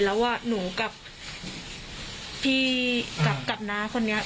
ทางสรวปไม่จริงเลย